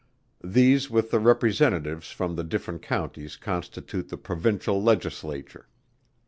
These with the representatives from the different Counties constitute the Provincial Legislature.